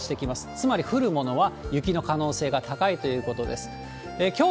つまり降るものは雪の可能性が高いということです。